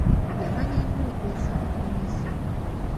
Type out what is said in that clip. Yamanya nnyo okwesa omweso.